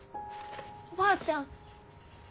おばあちゃん。